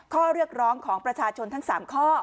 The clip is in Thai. ข้อเรียกร้องของประชาชนทั้ง๓ข้อ